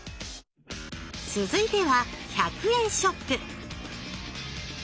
続いては１００円ショップ